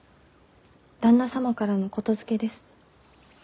旦那様からの言づけです。